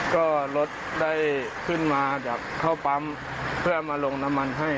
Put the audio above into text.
ก็รถได้ขึ้นมาจากเข้าปั๊มเพื่อมาลงน้ำมันให้